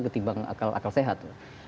ketimbang akal sehat